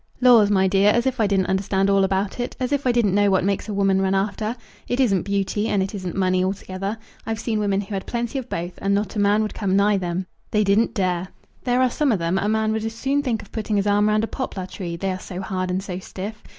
"Laws, my dear, as if I didn't understand all about it; as if I didn't know what makes a woman run after? It isn't beauty, and it isn't money altogether. I've seen women who had plenty of both, and not a man would come nigh them. They didn't dare. There are some of them, a man would as soon think of putting his arm round a poplar tree, they are so hard and so stiff.